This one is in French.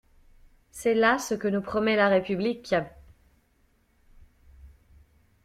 C'est là ce que nous promet la République!